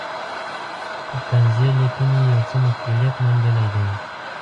طنزیه لیکنې یې یو څه مقبولیت موندلی دی.